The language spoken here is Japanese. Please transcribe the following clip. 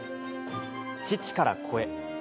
父から子へ。